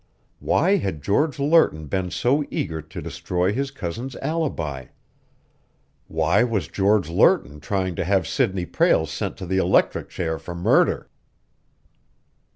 Why had George Lerton been so eager to destroy his cousin's alibi? Why was George Lerton trying to have Sidney Prale sent to the electric chair for murder?